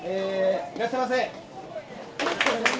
いらっしゃいませ。